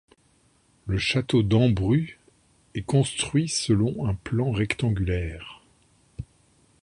Le château d’Ambrus est construit selon un plan rectangulaire.